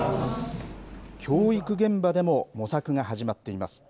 教育現場でも模索が始まっています。